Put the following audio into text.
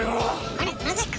あれなぜか！